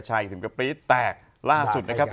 เอกชายกระปรี๊ดแตกล่าสุดนะครับ